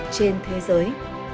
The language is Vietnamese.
trên thế giới